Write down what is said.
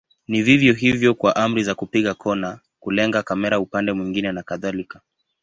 Ni vivyo hivyo kwa amri za kupiga kona, kulenga kamera upande mwingine na kadhalika.